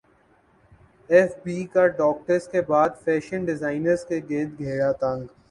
F B کا doctors کے بعد فیشن ڈیزائنرز کے گرد گھیرا تنگ